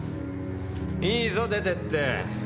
いいぞ出てって。